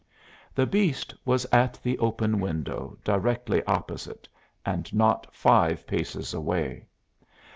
The beast was at the open window directly opposite and not five paces away.